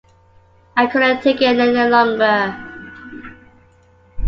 I couldn't take it any longer.